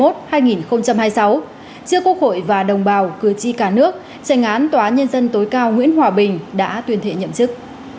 trước quốc hội và đồng bào cử tri cả nước tranh án tòa nhân dân tối cao nguyễn hòa bình đã tuyên thệ nhậm chức